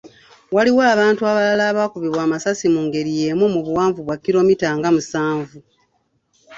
Waliwo abantu abalala abaakubwa amasasi mungeri yeemu mu buwanvu bwa kiromita nga musanvu.